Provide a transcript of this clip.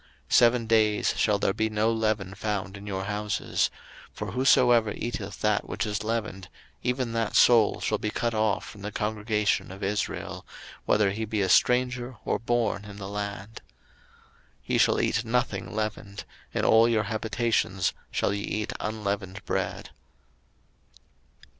02:012:019 Seven days shall there be no leaven found in your houses: for whosoever eateth that which is leavened, even that soul shall be cut off from the congregation of Israel, whether he be a stranger, or born in the land. 02:012:020 Ye shall eat nothing leavened; in all your habitations shall ye eat unleavened bread.